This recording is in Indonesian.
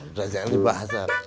udah jangan dibahas